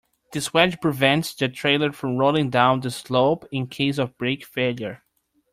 This wedge prevents the trailer from rolling down the slope in case of brake failure.